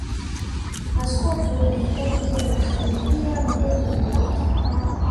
Askofu alihitaji hela kulipia madeni yaliyobaki